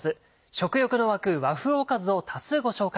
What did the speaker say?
食欲の湧く和風おかずを多数ご紹介。